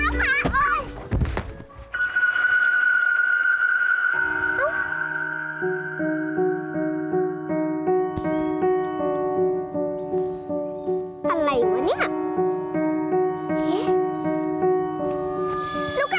ไอ้ถามเอาลูกกระตาเธอคืนไปแล้วกู